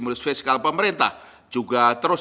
dan dengan kekuasaan ekonomi nasional